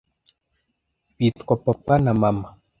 bitwa papa na mama